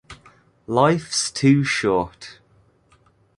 Life’s too short.